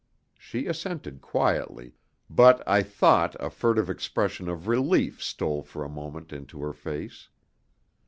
She assented quietly, but I thought a furtive expression of relief stole for a moment into her face.